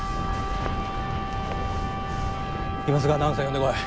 ・今すぐアナウンサー呼んでこい。